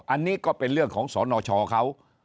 อันนี้ก็เป็นเรื่องของสนชเขา